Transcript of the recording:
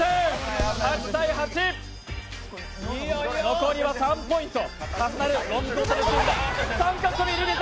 残りは３ポイント。